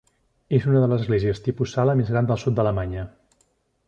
És una de les esglésies tipus sala més grans del sud d'Alemanya.